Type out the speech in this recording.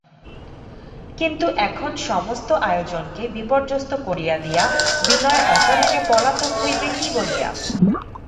কিন্তু এখন সমস্ত আয়োজনকে বিপর্যস্ত করিয়া দিয়া বিনয় অকারণে পলাতক হইবে কী বলিয়া?